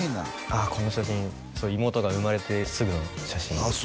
あこの写真妹が生まれてすぐの写真ですあ